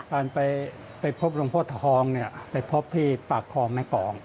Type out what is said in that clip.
การไปพบหลวงพ่อทองเนี่ยไปพบที่ปากคลองแม่กอง